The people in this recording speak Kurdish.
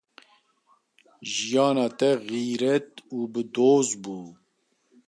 Jiyana te xîret û bi doz bû.